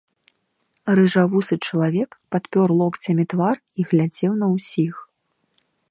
Рыжавусы чалавек падпёр локцямі твар і глядзеў на ўсіх.